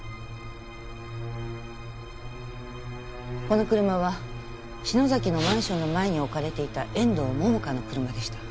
この車は篠崎のマンションの前に置かれていた遠藤桃花の車でした。